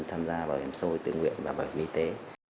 tham gia bảo hiểm xã hội tự nguyện và bảo hiểm y tế